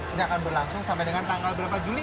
ini akan berlangsung sampai dengan tanggal berapa juli